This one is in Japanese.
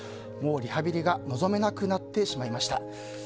もうリハビリが望めなくなってしまいました。